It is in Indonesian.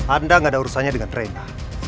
anda nggak ada urusannya dengan rena